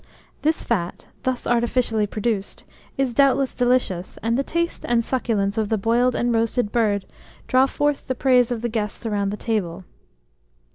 This fat, thus artificially produced, is doubtless delicious, and the taste and succulence of the boiled and roasted bird draw forth the praise of the guests around the table.